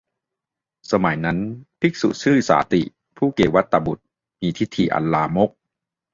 สมัยนั้น ภิกษุชื่อสาติ ผู้เกวัฏฏบุตร มีทิฏฐิอันลามก